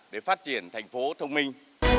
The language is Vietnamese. để phát triển thành phố thông minh